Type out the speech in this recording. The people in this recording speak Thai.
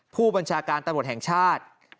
ผู้บัญชาการตำรวจแห่งชาติ